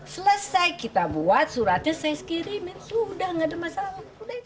selesai kita buat suratnya saya kirimin sudah tidak ada masalah